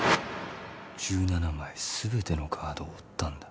１７枚全てのカードを追ったんだ。